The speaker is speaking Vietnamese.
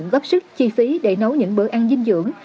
góp sức chi phí để nấu những bữa ăn dinh dưỡng